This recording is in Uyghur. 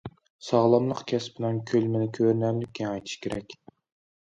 ساغلاملىق كەسپىنىڭ كۆلىمىنى كۆرۈنەرلىك كېڭەيتىش كېرەك.